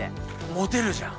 モテるじゃん。